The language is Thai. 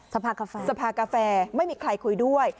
สภาคาแฟสภาคาแฟไม่มีใครคุยด้วย